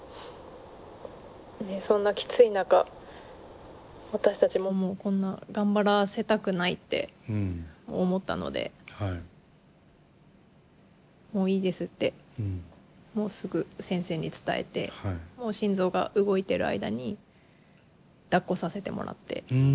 そんなきつい中私たちももうこんな頑張らせたくないって思ったのでもういいですってもうすぐ先生に伝えてもう心臓が動いてる間にだっこさせてもらって。